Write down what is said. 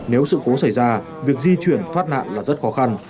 nếu sự cố xảy ra việc di chuyển thoát nạn là rất khó khăn